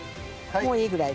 もういいぐらい。